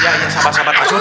ya ya sabar sabar asun